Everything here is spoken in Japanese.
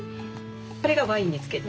これがワインに漬けて。